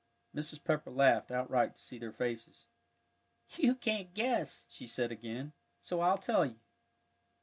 Mrs. Pepper laughed outright to see their faces. "You can't guess," she said again, "so I'll tell you.